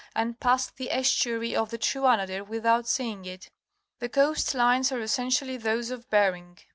and passed the estuary of the true Anadyr without seeing it. The coast lines are essentially those of Bering.